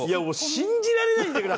信じられないんだけど！